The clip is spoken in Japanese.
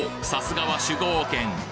さすがは酒豪県！